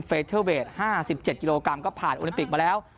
เทอร์เวท๕๗กิโลกรัมก็ผ่านโอลิมปิกมาแล้ว